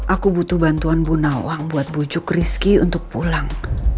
aku butuh bantuan bu nawang buat bujuk rizky untuk pulang